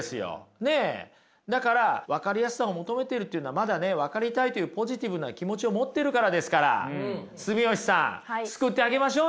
だから分かりやすさを求めてるっていうのはまだね分かりたいっていうポジティブな気持ちを持ってるからですから住吉さん救ってあげましょうよ。